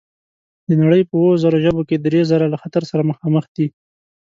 د نړۍ په اووه زره ژبو کې درې زره له خطر سره مخامخ دي.